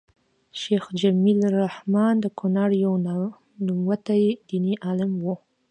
شيخ جميل الرحمن د کونړ يو نوموتی ديني عالم وو